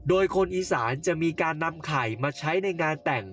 โดยคนอีสานจะมีการนำไข่มาใช้ในงานแต่ง